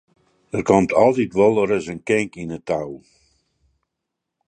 Der komt altyd wolris in kink yn 't tou.